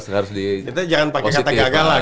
kita jangan pakai kata gagal lah